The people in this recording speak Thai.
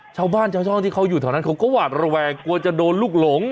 ชาวบ้านชาวช่องที่เขาอยู่แถวนั้นเขาก็หวาดระแวงกลัวจะโดนลูกหลง